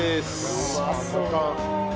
うまそう。